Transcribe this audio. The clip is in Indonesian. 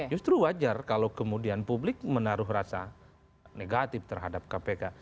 justru wajar kalau kemudian publik menaruh rasa negatif terhadap kpk